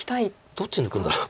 どっち抜くんだろう。